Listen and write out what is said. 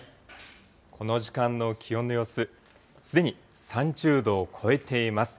この時間の気温の様子、すでに３０度を超えています。